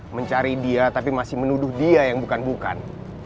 mencari dia tapi masih menuduh dia yang bukan bukan